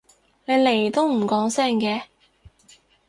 你嚟都唔講聲嘅？